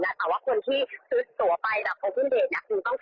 จริงแล้วว่าเขาไม่ได้พึ่งเริ่มทำเขาขายตัวแบบเนี่ยราคาโปรโมชั่นนะคะ